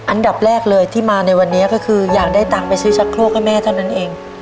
อันดับแรกเลยที่มาในวันนี้ก็คืออยากได้ตังค์ไปซื้อชักโครกให้แม่เท่านั้นเอง